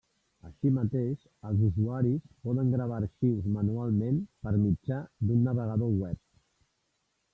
Així mateix, els usuaris poden gravar arxius manualment per mitjà d'un navegador web.